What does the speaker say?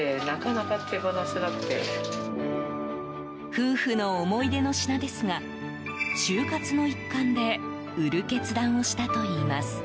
夫婦の思い出の品ですが終活の一環で売る決断をしたといいます。